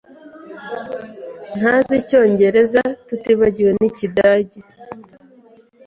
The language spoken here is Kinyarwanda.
Ntazi Icyongereza, tutibagiwe n'Ikidage.